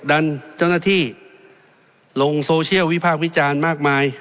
ดันเจ้าหน้าที่ลงโซเชียลวิพากษ์วิจารณ์มากมาย